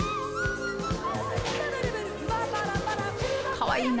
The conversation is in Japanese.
かわいいな。